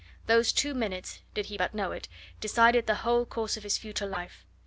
Those two minutes did he but know it decided the whole course of his future life.